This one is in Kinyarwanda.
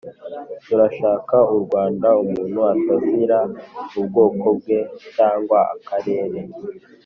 turashaka u rwanda umuntu atazira ubwoko bwe cyangwa akarere